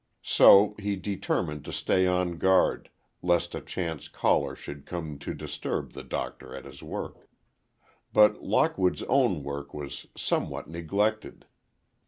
So, he determined to stay on guard, lest a chance caller should come to disturb the Doctor at his work. But Lockwood's own work was somewhat neglected.